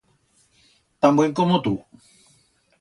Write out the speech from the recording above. Tan buen como tu.